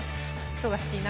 忙しい中。